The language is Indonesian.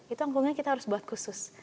itu angklungnya kita harus buat khusus